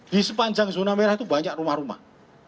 di sepanjang zona merah itu banyak rumah rumah